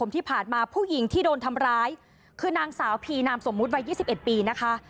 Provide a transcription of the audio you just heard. ที่ผ่านมาผู้หญิงที่โดนทำร้ายคือนางสาวพีนามสมมุติวัย๒๑ปีนะคะ